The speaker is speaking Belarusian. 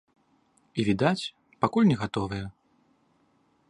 І відаць, пакуль не гатовыя.